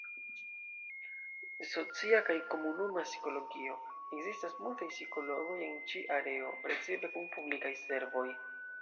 Socia kaj Komunuma Psikologio: Ekzistas multaj psikologoj en ĉi areo, precipe kun publikaj servoj.